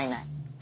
え？